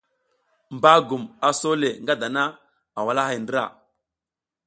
Bagum a sole nga dana a walahay ndra,